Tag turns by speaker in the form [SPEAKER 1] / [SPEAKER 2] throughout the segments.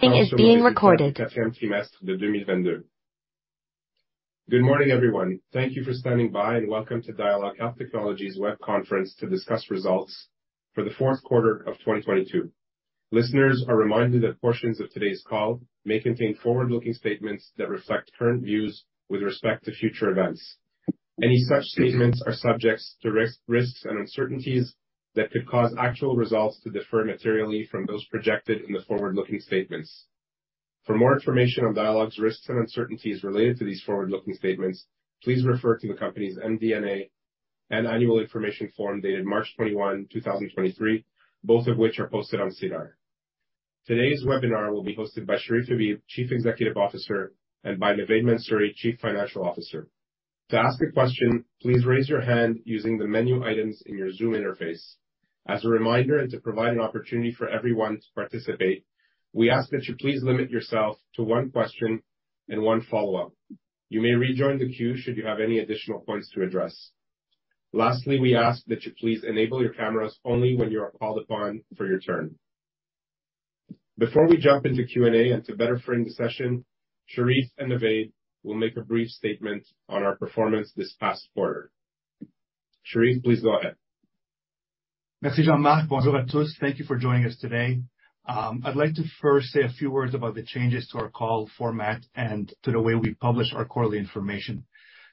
[SPEAKER 1] Good morning, everyone. Thank you for standing by, and welcome to Dialogue Health Technologies web conference to discuss results for the fourth quarter of 2022. Listeners are reminded that portions of today's call may contain forward-looking statements that reflect current views with respect to future events. Any such statements are subjects to risks and uncertainties that could cause actual results to differ materially from those projected in the forward-looking statements. For more information on Dialogue's risks and uncertainties related to these forward-looking statements, please refer to the company's MD&A and annual information form dated March 21, 2023, both of which are posted on SEDAR. Today's webinar will be hosted by Cherif Habib, Chief Executive Officer, and by Navaid Mansuri, Chief Financial Officer. To ask a question, please raise your hand using the menu items in your Zoom interface. As a reminder, to provide an opportunity for everyone to participate, we ask that you please limit yourself to one question and one follow-up. You may rejoin the queue should you have any additional points to address. Lastly, we ask that you please enable your cameras only when you are called upon for your turn. Before we jump into Q&A, to better frame the session, Cherif and Navaid will make a brief statement on our performance this past quarter. Cherif, please go ahead.
[SPEAKER 2] Merci, Jean-Marc. Bonjour à tous. Thank you for joining us today. I'd like to first say a few words about the changes to our call format and to the way we publish our quarterly information.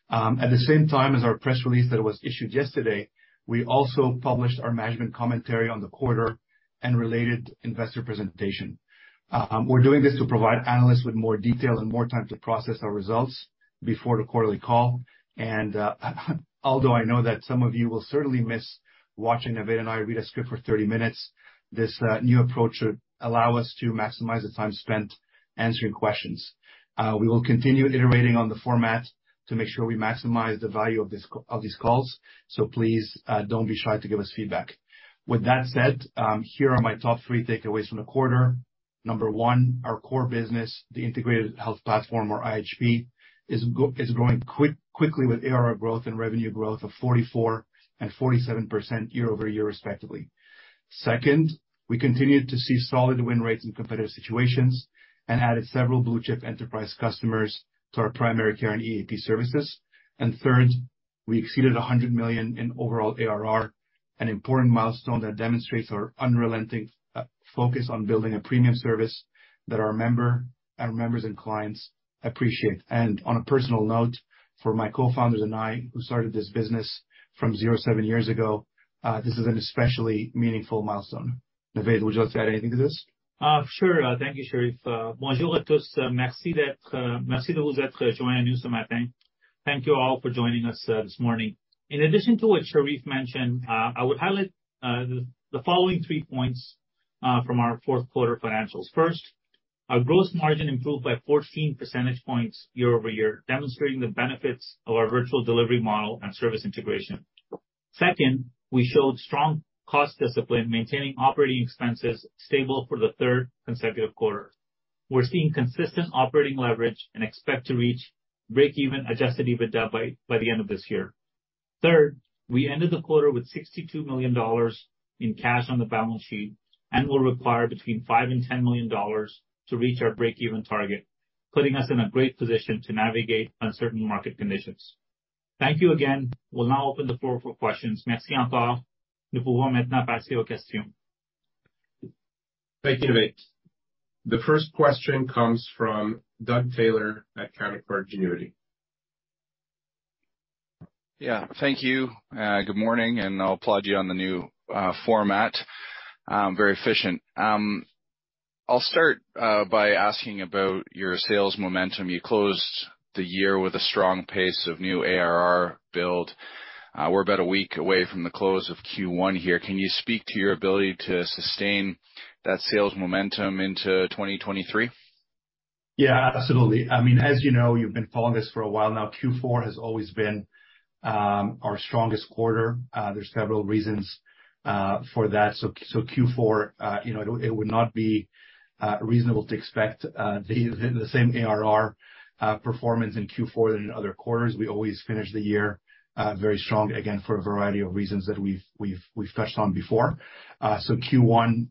[SPEAKER 2] At the same time as our press release that was issued yesterday, we also published our management commentary on the quarter and related investor presentation. We're doing this to provide analysts with more detail and more time to process our results before the quarterly call. Although I know that some of you will certainly miss watching Navaid and I read a script for 30 minutes, this new approach should allow us to maximize the time spent answering questions. We will continue iterating on the format to make sure we maximize the value of these calls. Please don't be shy to give us feedback. With that said, here are my top three takeaways from the quarter. Number one, our core business, the Integrated Health Platform, or IHP, is growing quickly with ARR growth and revenue growth of 44% and 47% year-over-year, respectively. Second, we continued to see solid win rates in competitive situations and added several blue chip enterprise customers to our primary care and EAP services. Third, we exceeded 100 million in overall ARR, an important milestone that demonstrates our unrelenting focus on building a premium service that our members and clients appreciate. On a personal note, for my co-founders and I, who started this business from zero, seven years ago, this is an especially meaningful milestone. Navaid, would you like to add anything to this?
[SPEAKER 3] Sure. Thank you, Cherif. Bonjour à tous. Merci d'être, merci de vous être joint à nous ce matin. Thank you all for joining us this morning. In addition to what Cherif mentioned, I would highlight the following three points from our fourth quarter financials. First, our gross margin improved by 14 percentage points year-over-year, demonstrating the benefits of our virtual delivery model and service integration. Second, we showed strong cost discipline, maintaining operating expenses stable for the third consecutive quarter. We're seeing consistent operating leverage and expect to reach break even adjusted EBITDA by the end of this year. Third, we ended the quarter with 62 million dollars in cash on the balance sheet and will require between 5 million-10 million dollars to reach our break even target, putting us in a great position to navigate uncertain market conditions. Thank you again. We'll now open the floor for questions. Merci encore. Nous pouvons maintenant passer aux questions.
[SPEAKER 4] Thank you, Navaid. The first question comes from Doug Taylor at Canaccord Genuity.
[SPEAKER 5] Yeah. Thank you. Good morning. I'll applaud you on the new format. Very efficient. I'll start by asking about your sales momentum. You closed the year with a strong pace of new ARR build. We're about a week away from the close of Q1 here. Can you speak to your ability to sustain that sales momentum into 2023?
[SPEAKER 2] Yeah, absolutely. I mean, as you know, you've been following this for a while now. Q4 has always been our strongest quarter. There's several reasons for that. Q4, you know, it would not be reasonable to expect the same ARR performance in Q4 than in other quarters. We always finish the year very strong, again, for a variety of reasons that we've touched on before. Q1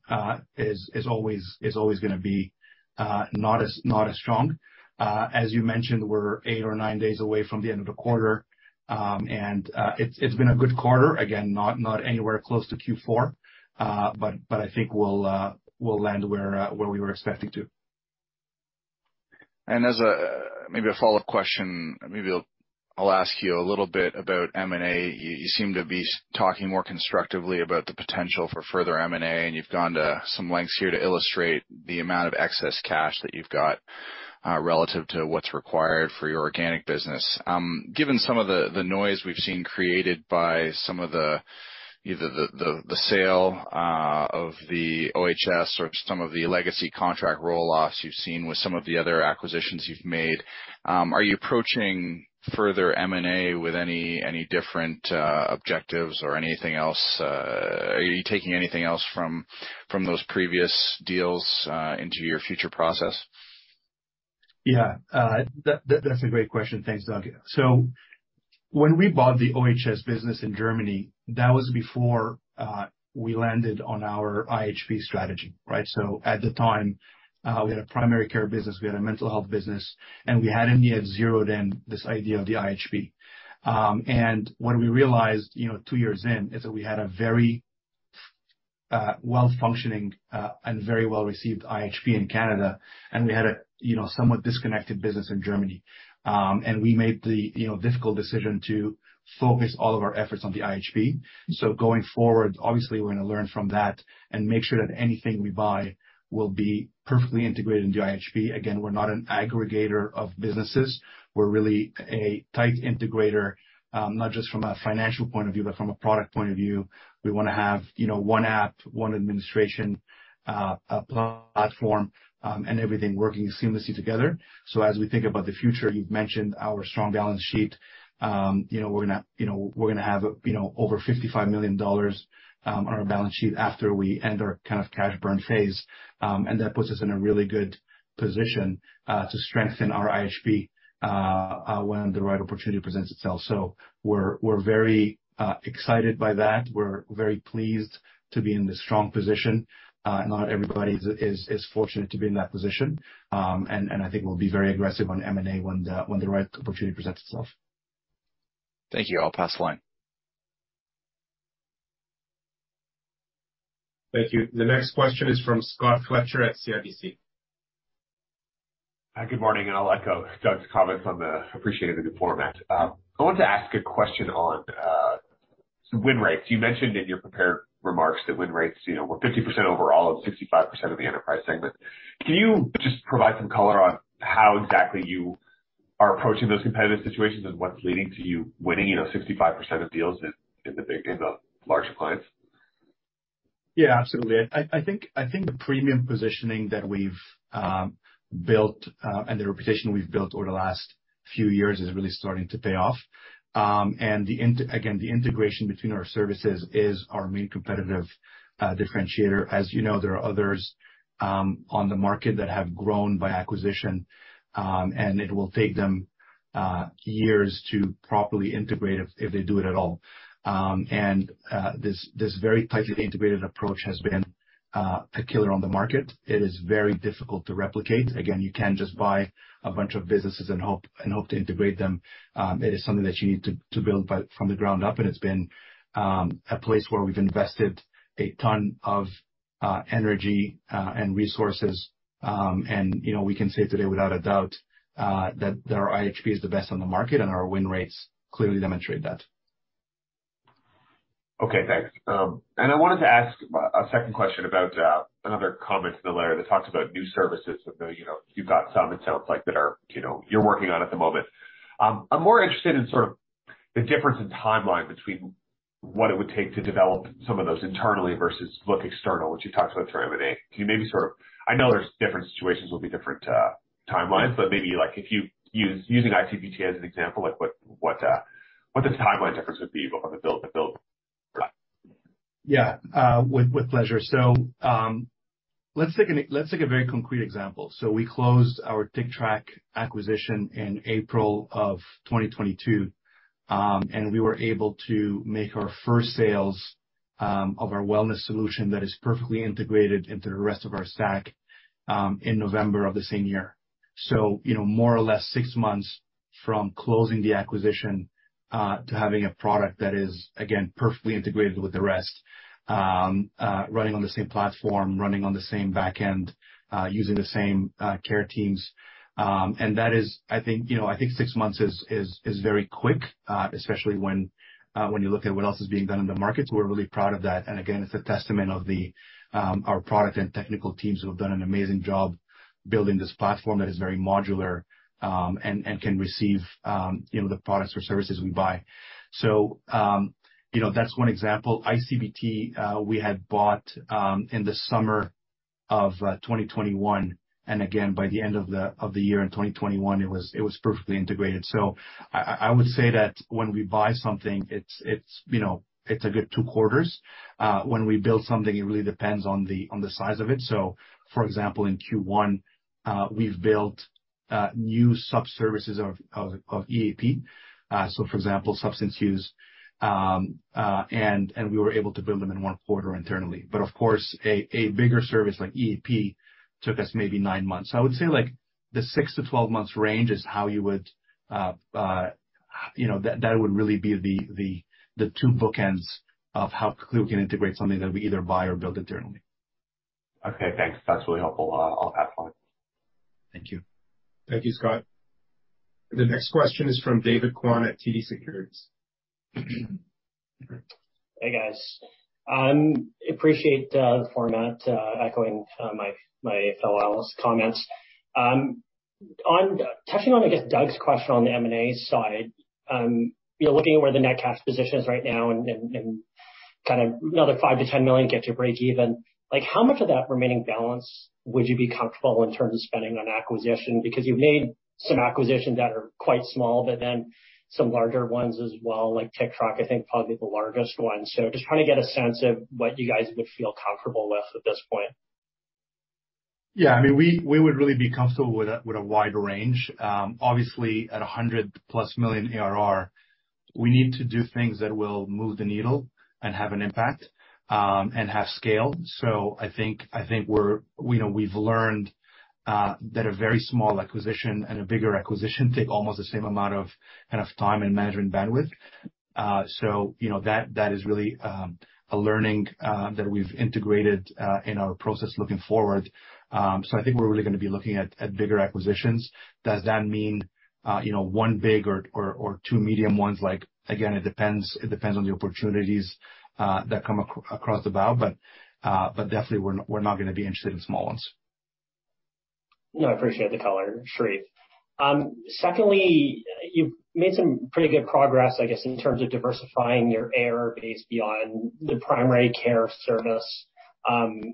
[SPEAKER 2] is always gonna be not as strong. As you mentioned, we're eight or nine days away from the end of the quarter. It's been a good quarter. Again, not anywhere close to Q4, but I think we'll land where we were expecting to.
[SPEAKER 5] As a maybe a follow-up question, maybe I'll ask you a little bit about M&A. You seem to be talking more constructively about the potential for further M&A, and you've gone to some lengths here to illustrate the amount of excess cash that you've got relative to what's required for your organic business. Given some of the noise we've seen created by some of the either the sale of the OHS or some of the legacy contract roll-offs you've seen with some of the other acquisitions you've made, are you approaching further M&A with any different objectives or anything else? Are you taking anything else from those previous deals into your future process?
[SPEAKER 2] Yeah. That's a great question. Thanks, Doug. When we bought the OHS business in Germany, that was before we landed on our IHP strategy, right? At the time, we had a primary care business, we had a mental health business, and we hadn't yet zeroed in this idea of the IHP. What we realized, you know, 2 years in, is that we had a very well-functioning and very well-received IHP in Canada, and we had a, you know, somewhat disconnected business in Germany. We made the, you know, difficult decision to focus all of our efforts on the IHP. Going forward, obviously we're gonna learn from that and make sure that anything we buy will be perfectly integrated into IHP. Again, we're not an aggregator of businesses. We're really a tight integrator, not just from a financial point of view, but from a product point of view. We wanna have, you know, one app, one administration platform, and everything working seamlessly together. As we think about the future, you've mentioned our strong balance sheet. You know, we're gonna, you know, we're gonna have, you know, over 55 million dollars on our balance sheet after we end our, kind of, cash burn phase. That puts us in a really good position to strengthen our IHP when the right opportunity presents itself. We're very excited by that. We're very pleased to be in this strong position. Not everybody is fortunate to be in that position. I think we'll be very aggressive on M&A when the, when the right opportunity presents itself.
[SPEAKER 4] Thank you. I'll pass the line. Thank you. The next question is from Scott Fletcher at CIBC.
[SPEAKER 6] Hi, good morning. I'll echo Doug's comments on the appreciating the new format. I want to ask a question on some win rates. You mentioned in your prepared remarks that win rates, you know, were 50% overall of 65% of the enterprise segment. Can you just provide some color on how exactly you are approaching those competitive situations and what's leading to you winning, you know, 65% of deals in the larger clients?
[SPEAKER 2] Yeah, absolutely. I think the premium positioning that we've built and the reputation we've built over the last few years is really starting to pay off. Again, the integration between our services is our main competitive differentiator. As you know, there are others on the market that have grown by acquisition, and it will take them years to properly integrate if they do it at all. This very tightly integrated approach has been a killer on the market. It is very difficult to replicate. Again, you can't just buy a bunch of businesses and hope to integrate them. It is something that you need to build by—from the ground up, and it's been, a place where we've invested a ton of energy, and resources. You know, we can say today without a doubt, that our IHP is the best on the market and our win rates clearly demonstrate that.
[SPEAKER 6] Okay, thanks. I wanted to ask a second question about another comment in the letter that talks about new services. I know, you know, you've got some it sounds like that are, you know, you're working on at the moment. I'm more interested in sort of the difference in timeline between what it would take to develop some of those internally versus look external, which you talked about through M&A. Can you maybe sort of—I know there's different situations will be different timelines, but maybe like if you use, using iCBT as an example, like what the timeline difference would be on the build to build plan?
[SPEAKER 2] Yeah, with pleasure. Let's take a very concrete example. We closed our Tictrac acquisition in April of 2022, and we were able to make our first sales of our wellness solution that is perfectly integrated into the rest of our stack in November of the same year. You know, more or less 6 months from closing the acquisition to having a product that is, again, perfectly integrated with the rest, running on the same platform, running on the same back end, using the same care teams. That is, I think, you know, I think six months is very quick, especially when you look at what else is being done in the market. We're really proud of that. Again, it's a testament of the our product and technical teams who have done an amazing job building this platform that is very modular and can receive, you know, the products or services we buy. You know, that's one example, iCBT, we had bought in the summer of 2021, by the end of the year in 2021, it was perfectly integrated. I would say that when we buy something, it's, you know, it's a good 2 quarters. When we build something, it really depends on the size of it. For example, in Q1, we've built new sub-services of EAP. For example, substance use. We were able to build them in one quarter internally. Of course, a bigger service like EAP took us maybe nine months. I would say like the 6 months-12 months range is how you know, that would really be the two bookends of how quickly we can integrate something that we either buy or build internally.
[SPEAKER 6] Okay, thanks. That's really helpful. I'll pass the line.
[SPEAKER 2] Thank you.
[SPEAKER 4] Thank you, Scott. The next question is from David Kwan at TD Securities.
[SPEAKER 7] Hey, guys. appreciate the format, echoing my fellow analysts' comments. On touching on, I guess, Doug's question on the M&A side, you know, looking at where the net cash position is right now and kind of another 5 million-10 million gets you breakeven, like how much of that remaining balance would you be comfortable in terms of spending on acquisition? Because you've made some acquisitions that are quite small, but then some larger ones as well, like Tictrac, I think probably the largest one. Just trying to get a sense of what you guys would feel comfortable with at this point.
[SPEAKER 2] Yeah, I mean, we would really be comfortable with a wider range. Obviously at 100+ million ARR, we need to do things that will move the needle and have an impact and have scale. I think we're you know, we've learned that a very small acquisition and a bigger acquisition take almost the same amount of, kind of, time and management bandwidth. You know, that is really a learning that we've integrated in our process looking forward. I think we're really gonna be looking at bigger acquisitions. Does that mean, you know, one big or two medium ones? Like, again, it depends. It depends on the opportunities that come across the bow. Definitely we're not gonna be interested in small ones.
[SPEAKER 7] No, I appreciate the color, Cherif. Secondly, you've made some pretty good progress, I guess, in terms of diversifying your ARR base beyond the primary care service, you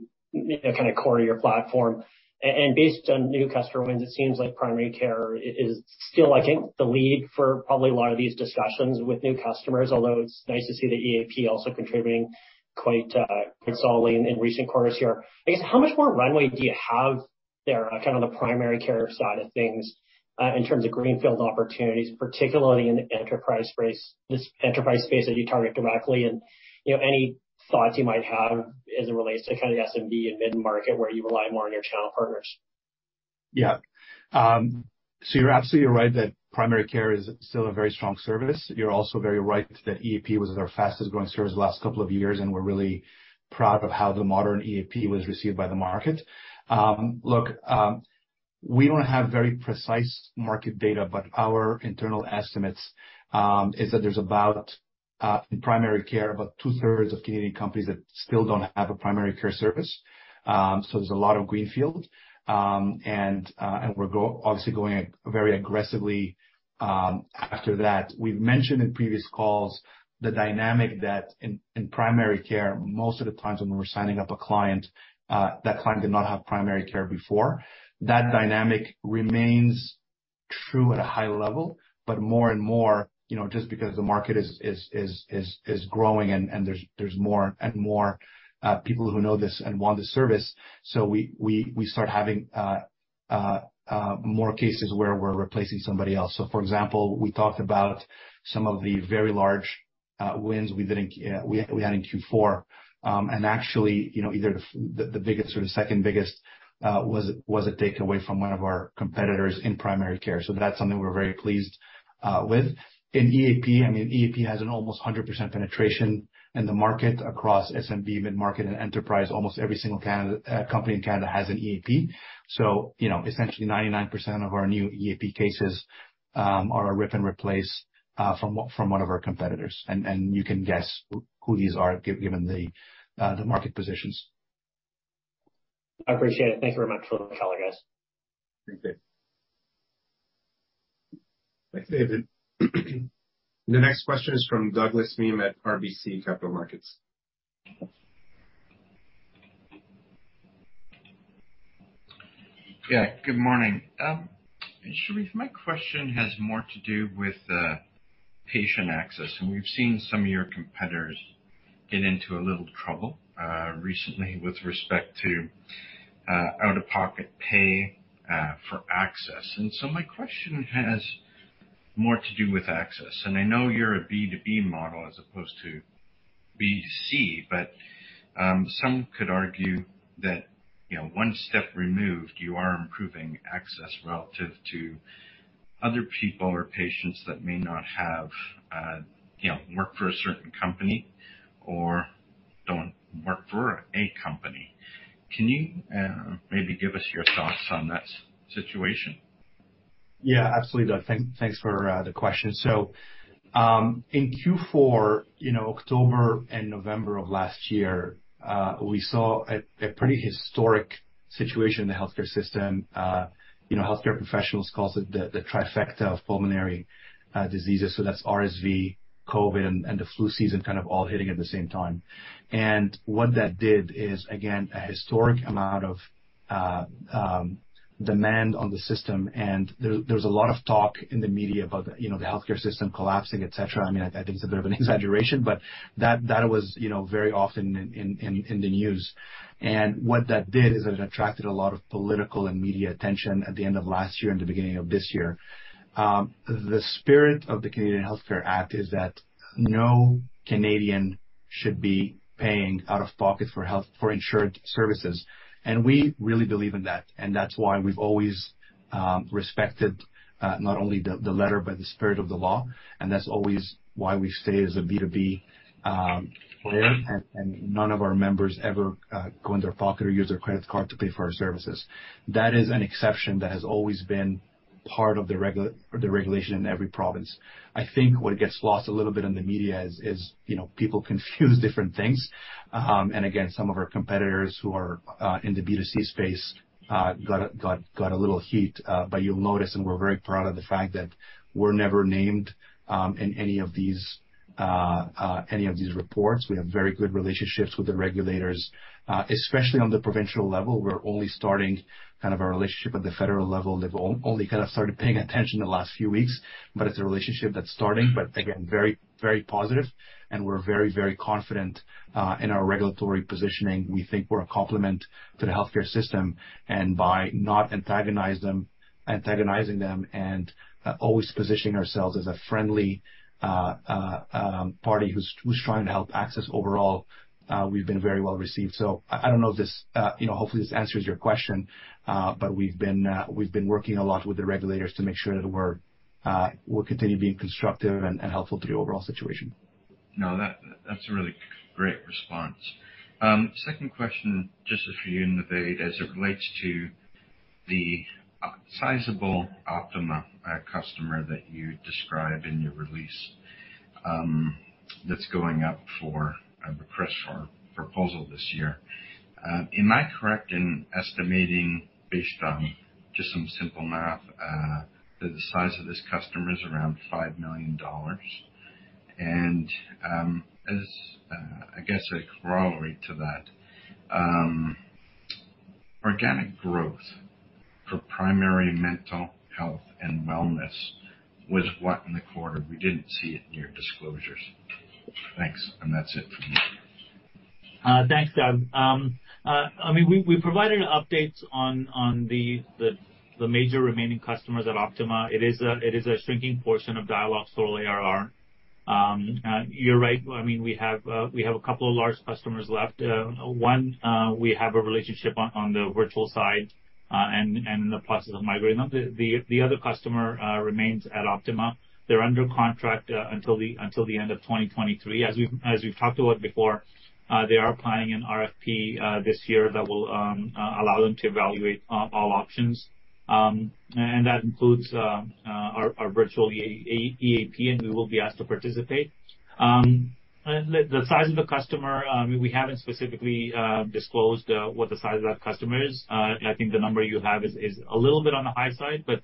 [SPEAKER 7] know, kind of, core to your platform. Based on new customer wins, it seems like primary care is still, I think, the lead for probably a lot of these discussions with new customers, although it's nice to see the EAP also contributing quite solidly in recent quarters here. I guess, how much more runway do you have there on, kind of, the primary care side of things, in terms of greenfield opportunities, particularly in the enterprise space, this enterprise space that you target directly? You know, any thoughts you might have as it relates to, kind of, SMB and mid-market where you rely more on your channel partners?
[SPEAKER 2] Yeah. You're absolutely right that primary care is still a very strong service. You're also very right that EAP was our fastest growing service the last couple of years, and we're really proud of how the modern EAP was received by the market. Look, we don't have very precise market data, but our internal estimates, is that there's about, in primary care, about 2/3 of Canadian companies that still don't have a primary care service. There's a lot of greenfield. We're obviously going very aggressively, after that. We've mentioned in previous calls the dynamic that in primary care, most of the times when we're signing up a client, that client did not have primary care before. That dynamic remains true at a high level, more and more, you know, just because the market is growing and there's more and more people who know this and want this service, we start having more cases where we're replacing somebody else. For example, we talked about some of the very large wins we had in Q4. Actually, you know, either the biggest or the second biggest was a take away from one of our competitors in primary care. That's something we're very pleased with. In EAP, I mean, EAP has an almost 100% penetration in the market across SMB, mid-market, and enterprise. Almost every single company in Canada has an EAP. you know, essentially 99% of our new EAP cases are a rip and replace from one of our competitors. You can guess who these are given the market positions.
[SPEAKER 7] I appreciate it. Thank you very much for the color, guys.
[SPEAKER 2] Okay.
[SPEAKER 4] Thank you, David. The next question is from Douglas Miehm at RBC Capital Markets.
[SPEAKER 8] Good morning. Cherif, my question has more to do with patient access, and we've seen some of your competitors get into a little trouble recently with respect to out-of-pocket pay for access. My question has more to do with access. I know you're a B2B model as opposed to B2C, but some could argue that, you know, one step removed, you are improving access relative to other people or patients that may not have, you know, work for a certain company or don't work for a company. Can you maybe give us your thoughts on that situation?
[SPEAKER 2] Yeah, absolutely, Doug. Thanks for the question. In Q4, you know, October and November of last year, we saw a pretty historic situation in the healthcare system. You know, healthcare professionals calls it the trifecta of pulmonary diseases, so that's RSV, COVID, and the flu season kind of all hitting at the same time. What that did is, again, a historic amount of demand on the system, and there was a lot of talk in the media about, you know, the healthcare system collapsing, et cetera. I mean, I think it's a bit of an exaggeration, but that was, you know, very often in the news. What that did is it attracted a lot of political and media attention at the end of last year and the beginning of this year. The spirit of the Canada Health Act is that no Canadian should be paying out of pocket for insured services, and we really believe in that. That's why we've always respected not only the letter, but the spirit of the law, and that's always why we stay as a B2B player. None of our members ever go in their pocket or use their credit card to pay for our services. That is an exception that has always been part of the regulation in every province. I think what gets lost a little bit in the media is, you know, people confuse different things. Again, some of our competitors who are in the B2C space got a little heat. You'll notice, and we're very proud of the fact that we're never named in any of these reports. We have very good relationships with the regulators, especially on the provincial level. We're only starting kind of our relationship at the federal level. They've only kind of started paying attention the last few weeks, but it's a relationship that's starting. Again, very, very positive, and we're very, very confident in our regulatory positioning. We think we're a complement to the healthcare system. By not antagonizing them and always positioning ourselves as a friendly party who's trying to help access overall, we've been very well received. I don't know if this, you know, hopefully this answers your question, but we've been working a lot with the regulators to make sure that we're continuing being constructive and helpful to the overall situation.
[SPEAKER 8] No, that's a really great response. Second question, just for you, Navaid, as it relates to the sizeable Optima customer that you described in your release, that's going up for a request for proposal this year. Am I correct in estimating based on just some simple math that the size of this customer is around CAD 5 million? I guess a corollary to that, organic growth for primary mental health and wellness was what in the quarter? We didn't see it in your disclosures. Thanks. That's it for me.
[SPEAKER 3] Thanks, Doug. I mean, we provided updates on the major remaining customers at Optima. It is a shrinking portion of Dialogue's total ARR. You're right. I mean, we have a couple of large customers left. One, we have a relationship on the virtual side, and in the process of migrating them. The other customer remains at Optima. They're under contract until the end of 2023. As we've talked about before, they are planning an RFP this year that will allow them to evaluate all options. That includes our virtual EAP, and we will be asked to participate. The size of the customer, we haven't specifically disclosed what the size of that customer is. I think the number you have is a little bit on the high side, but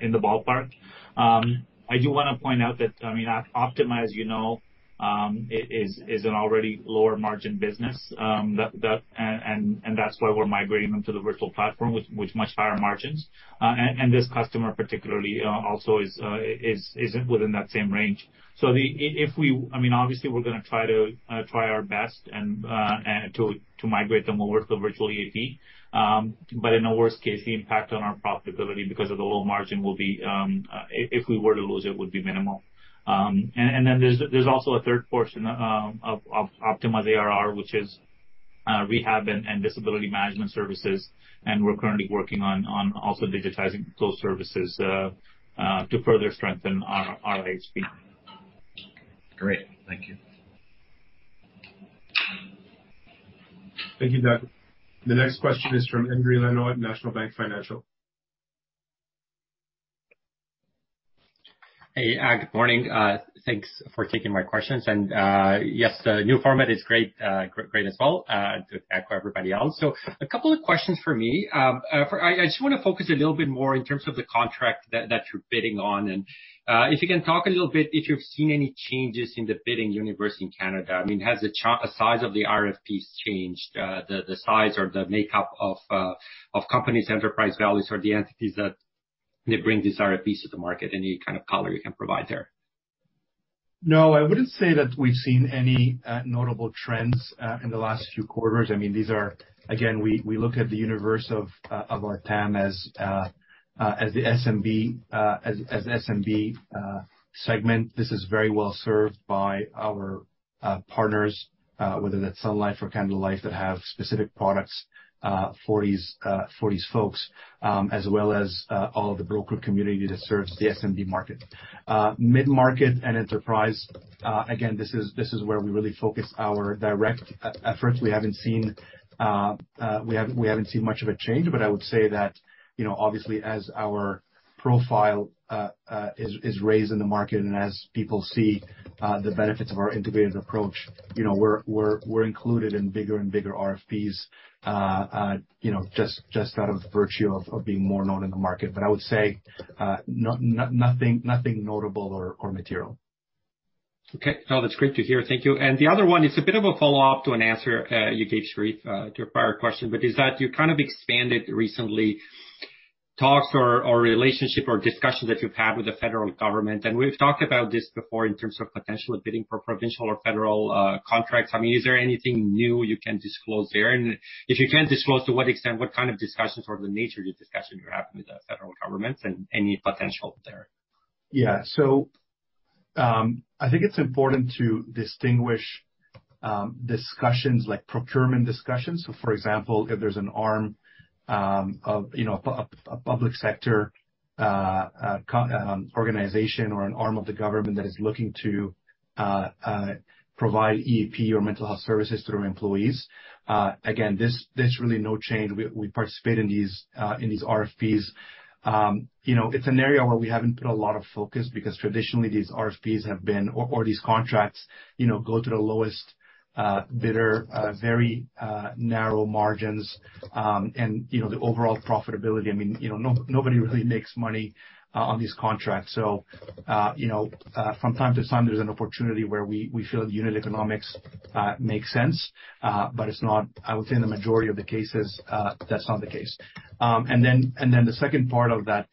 [SPEAKER 3] in the ballpark. I do wanna point out that, I mean, Optima, as you know, is an already lower margin business. That's why we're migrating them to the virtual platform with much higher margins. This customer particularly also is within that same range. I mean, obviously we're gonna try our best and to migrate them over to virtual EAP. In a worst case, the impact on our profitability because of the low margin will be, if we were to lose it, would be minimal. Then there's also a third portion of Optima's ARR, which is rehab and disability management services, and we're currently working on also digitizing those services to further strengthen our IHP.
[SPEAKER 8] Great. Thank you.
[SPEAKER 2] Thank you, Doug. The next question is from Endri Leno at National Bank Financial.
[SPEAKER 9] Hey, good morning. Thanks for taking my questions. Yes, the new format is great as well, to echo everybody else. A couple of questions for me. I just wanna focus a little bit more in terms of the contract that you're bidding on, and if you can talk a little bit, if you've seen any changes in the bidding universe in Canada. I mean, has the size of the RFPs changed, the size or the makeup of companies' enterprise values or the entities that may bring these RFPs to the market? Any kind of color you can provide there.
[SPEAKER 2] I wouldn't say that we've seen any notable trends in the last few quarters. I mean, these are. Again, we look at the universe of our TAM as the SMB as an SMB segment. This is very well served by our partners, whether that's Sun Life or Canada Life, that have specific products for these folks, as well as all of the broker community that serves the SMB market. Mid-market and enterprise, again, this is where we really focus our direct efforts. We haven't seen much of a change. I would say that, you know, obviously, as our profile is raised in the market and as people see, the benefits of our integrated approach, you know, we're included in bigger and bigger RFPs, you know, just out of virtue of being more known in the market. I would say, nothing notable or material.
[SPEAKER 9] Okay. No, that's great to hear. Thank you. The other one is a bit of a follow-up to an answer, you gave, Cherif, to a prior question, but is that you kind of expanded recently talks or relationship or discussions that you've had with the federal government. We've talked about this before in terms of potentially bidding for provincial or federal, contracts. I mean, is there anything new you can disclose there? If you can't disclose, to what extent, what kind of discussions or the nature of the discussions you're having with the federal government and any potential there?
[SPEAKER 2] I think it's important to distinguish discussions like procurement discussions. For example, if there's an arm of, you know, a public sector organization or an arm of the government that is looking to provide EAP or mental health services to their employees. Again, this, there's really no change. We participate in these in these RFPs. You know, it's an area where we haven't put a lot of focus because traditionally these RFPs have been or these contracts, you know, go to the lowest bidder, very narrow margins. You know, the overall profitability, I mean, you know, nobody really makes money on these contracts. You know, from time to time, there's an opportunity where we feel the unit economics make sense, but I would say in the majority of the cases, that's not the case. Then the second part of that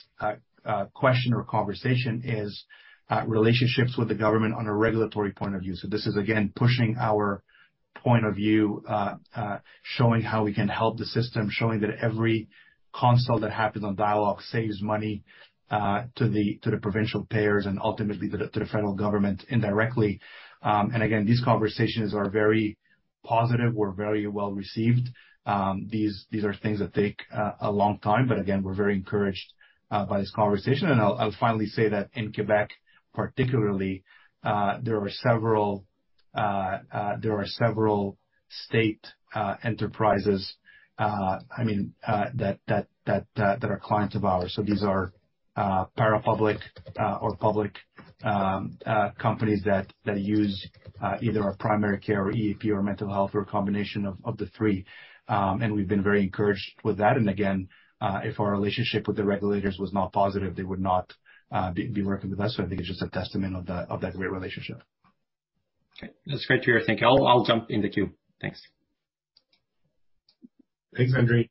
[SPEAKER 2] question or conversation is relationships with the government on a regulatory point of view. This is again pushing our point of view, showing how we can help the system, showing that every consult that happens on Dialogue saves money to the provincial payers and ultimately to the federal government indirectly. Again, these conversations are very positive. We're very well-received. These are things that take a long time, but again, we're very encouraged by this conversation. I'll finally say that in Quebec, particularly, there are several state enterprises, I mean, that are clients of ours. These are parapublic or public companies that use either our primary care or EAP or mental health or a combination of the three. We've been very encouraged with that. Again, if our relationship with the regulators was not positive, they would not be working with us. I think it's just a testament of that great relationship.
[SPEAKER 9] Okay. That's great to hear. Thank you. I'll jump in the queue. Thanks.
[SPEAKER 4] Thanks, Endri.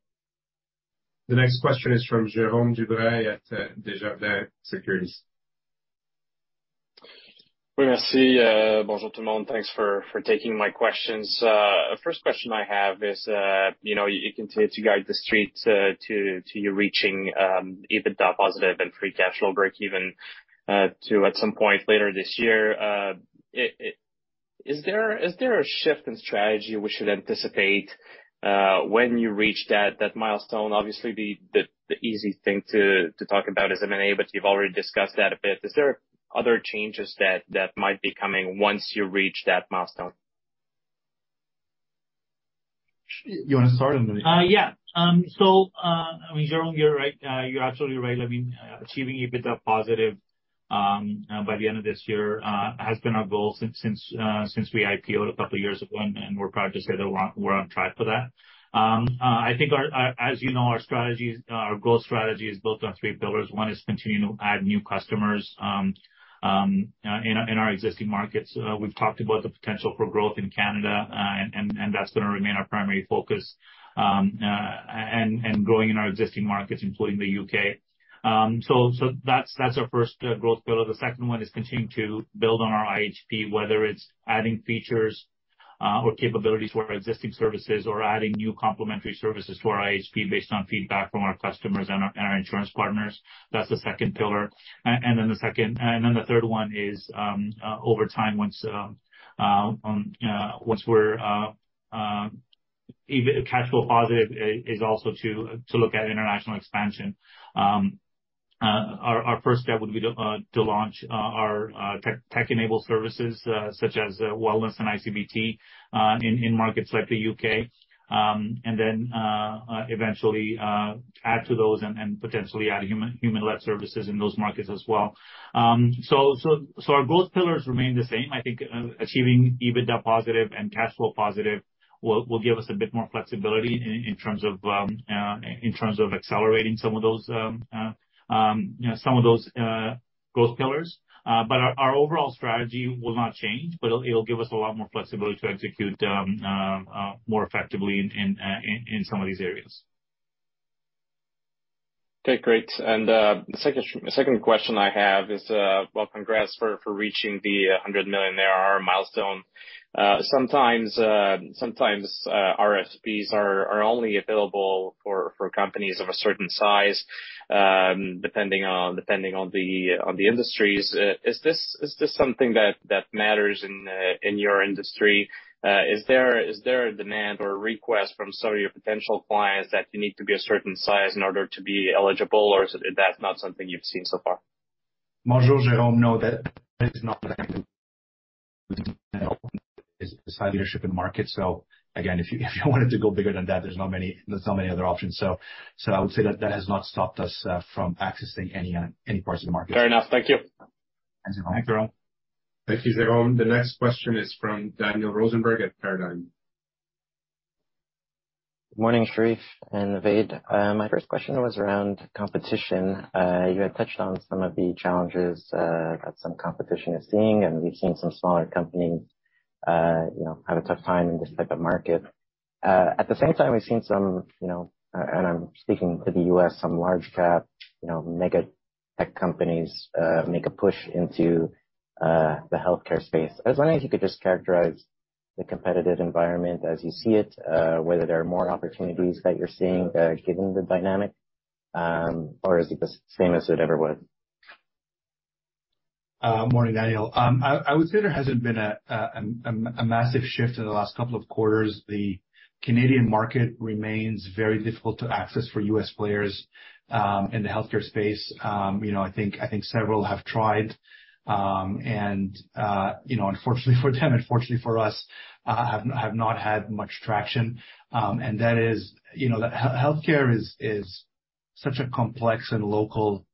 [SPEAKER 4] The next question is from Jerome Dubreuil at Desjardins Securities.
[SPEAKER 10] Thanks for taking my questions. First question I have is, you know, you continue to guide the street to you reaching EBITDA positive and free cash flow breakeven to at some point later this year. Is there a shift in strategy we should anticipate when you reach that milestone? Obviously, the easy thing to talk about is M&A, but you've already discussed that a bit. Is there other changes that might be coming once you reach that milestone?
[SPEAKER 2] You wanna start on that?
[SPEAKER 3] Yeah. I mean, Jerome, you're right. You're absolutely right. I mean, achieving EBITDA positive by the end of this year has been our goal since we IPO'd a couple of years ago, and we're proud to say that we're on track for that. I think as you know, our strategies, our growth strategy is built on three pillars. One is continuing to add new customers in our existing markets. We've talked about the potential for growth in Canada, and that's gonna remain our primary focus, and growing in our existing markets, including the U.K.. That's our first growth pillar. The second one is continuing to build on our IHP, whether it's adding features or capabilities to our existing services or adding new complementary services to our IHP based on feedback from our customers and our insurance partners. That's the second pillar. The third one is, over time, once we're EBITDA cash flow positive, is also to look at international expansion. Our first step would be to launch our tech-enabled services, such as wellness and iCBT, in markets like the U.K., and then eventually add to those and potentially add human-led services in those markets as well. Our growth pillars remain the same. I think, achieving EBITDA positive and cash flow positive will give us a bit more flexibility in terms of accelerating some of those, you know, some of those growth pillars. our overall strategy will not change, but it'll give us a lot more flexibility to execute more effectively in some of these areas.
[SPEAKER 10] Okay, great. The second question I have is, well, congrats for reaching the 100 millionaire milestone. Sometimes RFPs are only available for companies of a certain size, depending on the industries. Is this something that matters in your industry? Is there a demand or request from some of your potential clients that you need to be a certain size in order to be eligible, or is it, that's not something you've seen so far?
[SPEAKER 2] No, that is not leadership in the market. Again, if you wanted to go bigger than that, there's not many other options. I would say that that has not stopped us from accessing any parts of the market.
[SPEAKER 10] Fair enough. Thank you.
[SPEAKER 2] Thanks, Jerome.
[SPEAKER 3] Thanks, Jerome.
[SPEAKER 4] Thank you, Jerome. The next question is from Daniel Rosenberg at Paradigm Capital.
[SPEAKER 11] Morning, Cherif and Navaid. My first question was around competition. You had touched on some of the challenges that some competition is seeing, and we've seen some smaller companies, you know, have a tough time in this type of market. At the same time, we've seen some, you know, and I'm speaking to the U.S., some large cap, you know, mega tech companies make a push into the healthcare space. I was wondering if you could just characterize the competitive environment as you see it, whether there are more opportunities that you're seeing, given the dynamic, or is it the same as it ever was?
[SPEAKER 2] Morning, Daniel. I would say there hasn't been a massive shift in the last couple of quarters. The Canadian market remains very difficult to access for U.S. players in the healthcare space. You know, I think several have tried. You know, unfortunately for them, unfortunately for us, have not had much traction. And that is, you know, the healthcare is such a complex and local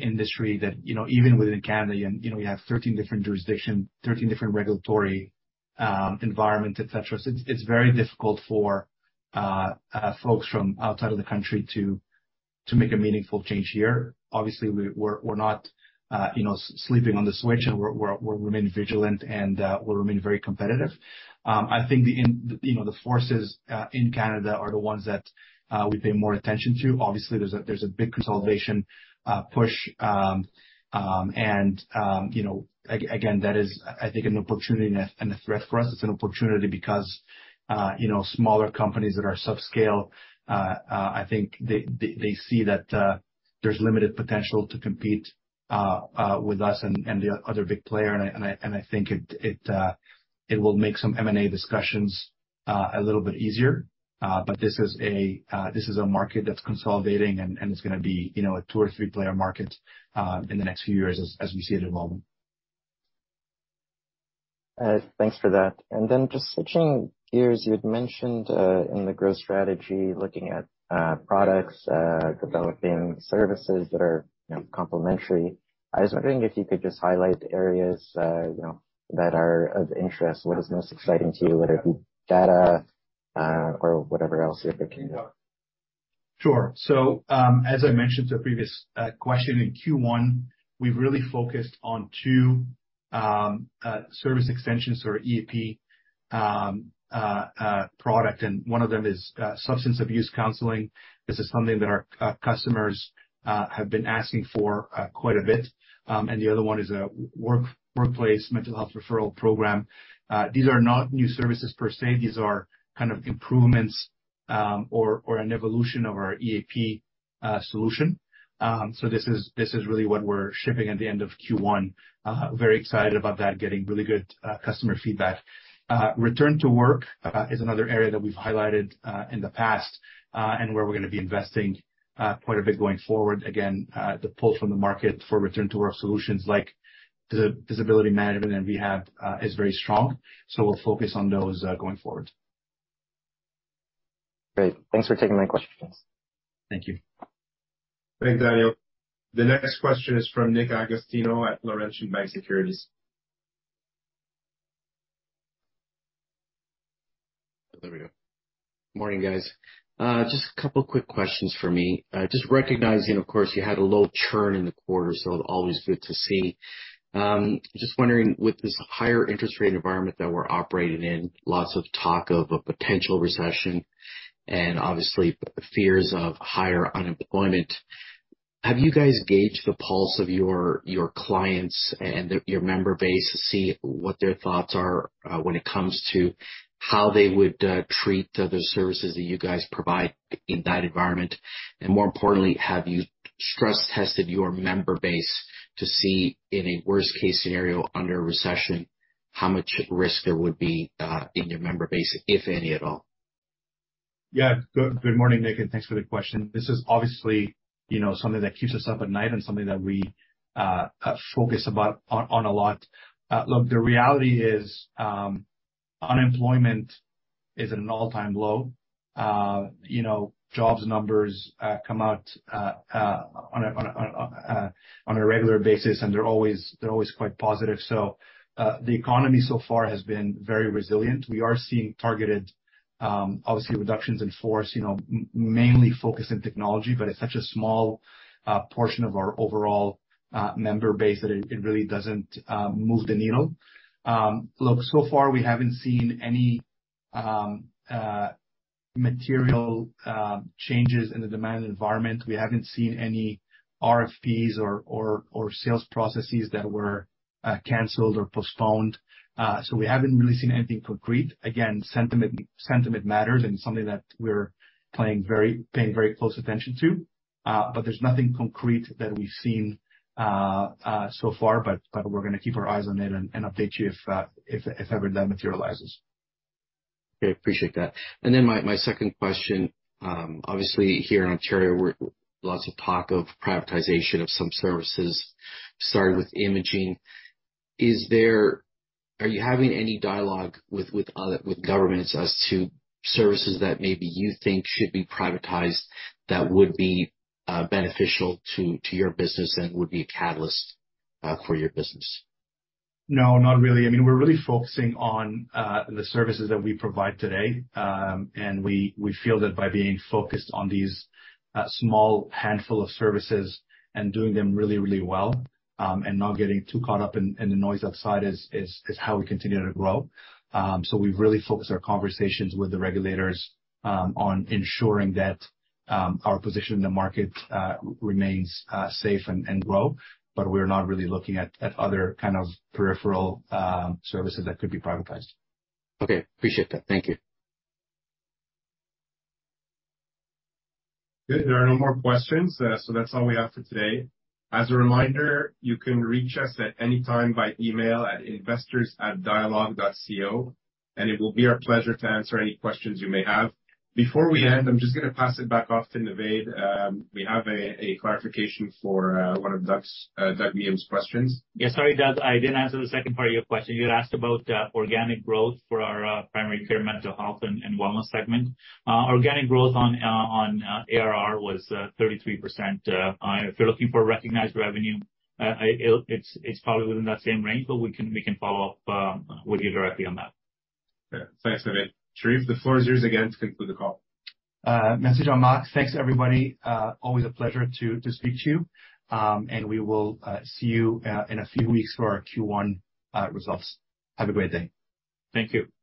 [SPEAKER 2] industry that, you know, even within Canada, you know, you have 13 different jurisdictions, 13 different regulatory environment, et cetera. It's very difficult for folks from outside of the country to make a meaningful change here. Obviously, we're not, you know, sleeping on the switch, we're remaining vigilant, we remain very competitive. I think You know, the forces in Canada are the ones that we pay more attention to. Obviously, there's a big consolidation push. You know, again, that is I think an opportunity and a threat for us. It's an opportunity because, you know, smaller companies that are subscale, I think they see that there's limited potential to compete with us and the other big player. I think it will make some M&A discussions a little bit easier. This is a market that's consolidating, and it's gonna be, you know, a two or three-player market in the next few years as we see it evolving.
[SPEAKER 11] Thanks for that. Then just switching gears, you had mentioned in the growth strategy, looking at products, developing services that are, you know, complementary. I was wondering if you could just highlight the areas, you know, that are of interest. What is most exciting to you, whether it be data, or whatever else you have in mind.
[SPEAKER 2] Sure. As I mentioned to a previous question in Q1, we've really focused on two service extensions to our EAP product. One of them is substance abuse counseling. This is something that our customers have been asking for quite a bit. The other one is a workplace mental health referral program. These are not new services per se. These are kind of improvements or an evolution of our EAP solution. This is really what we're shipping at the end of Q1. Very excited about that, getting really good customer feedback. Return to work is another area that we've highlighted in the past and where we're gonna be investing quite a bit going forward. The pull from the market for return to work solutions like disability management and rehab is very strong. We'll focus on those going forward.
[SPEAKER 11] Great. Thanks for taking my questions.
[SPEAKER 2] Thank you.
[SPEAKER 4] Thanks, Daniel. The next question is from Nick Agostino at Laurentian Bank Securities.
[SPEAKER 12] There we go. Morning, guys. Just a couple quick questions for me. Just recognizing, of course, you had a low churn in the quarter, so always good to see. Just wondering, with this higher interest rate environment that we're operating in, lots of talk of a potential recession and obviously fears of higher unemployment, have you guys gauged the pulse of your clients and your member base to see what their thoughts are, when it comes to how they would treat the services that you guys provide in that environment? More importantly, have you stress tested your member base to see, in a worst case scenario, under a recession, how much risk there would be in your member base, if any, at all?
[SPEAKER 2] Good morning, Nick. Thanks for the question. This is obviously, you know, something that keeps us up at night and something that we focus on a lot. Look, the reality is, unemployment is at an all-time low. You know, jobs numbers come out on a regular basis, and they're always quite positive. The economy so far has been very resilient. We are seeing targeted, obviously reductions in force, you know, mainly focused in technology, but it's such a small portion of our overall member base that it really doesn't move the needle. Look, so far we haven't seen any material changes in the demand environment. We haven't seen any RFPs or sales processes that were canceled or postponed. We haven't really seen anything concrete. Again, sentiment matters, and something that we're paying very close attention to. There's nothing concrete that we've seen so far, but we're gonna keep our eyes on it and update you if ever that materializes.
[SPEAKER 12] Okay. Appreciate that. My, my second question. Obviously here in Ontario, lots of talk of privatization of some services, starting with imaging. Are you having any dialogue with governments as to services that maybe you think should be privatized that would be beneficial to your business and would be a catalyst for your business?
[SPEAKER 2] No, not really. I mean, we're really focusing on the services that we provide today. We feel that by being focused on these small handful of services and doing them really, really well, and not getting too caught up in the noise outside is how we continue to grow. We've really focused our conversations with the regulators on ensuring that our position in the market remains safe and grow. We're not really looking at other kind of peripheral services that could be privatized.
[SPEAKER 12] Okay. Appreciate that. Thank you.
[SPEAKER 4] Good. There are no more questions. That's all we have for today. As a reminder, you can reach us at any time by email at investorsatdialogue.co. It will be our pleasure to answer any questions you may have. Before we end, I'm just gonna pass it back off to Navaid. We have a clarification for one of Doug Miehm's questions.
[SPEAKER 3] Yeah, sorry, Doug, I didn't answer the second part of your question. You had asked about organic growth for our primary care mental health and wellness segment. Organic growth on ARR was 33%. If you're looking for recognized revenue, it's probably within that same range, but we can follow up with you directly on that.
[SPEAKER 4] Thanks, Navaid. Cherif, the floor is yours again to conclude the call.
[SPEAKER 2] Merci, Jean-Marc. Thanks, everybody. Always a pleasure to speak to you. We will see you in a few weeks for our Q1 results. Have a great day.
[SPEAKER 4] Thank you.